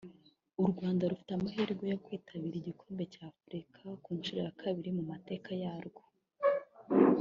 u Rwanda rufite amahirwe yo kwitabira igikombe cy’Afurika ku nshuro ya kabiri mu mateka yarwo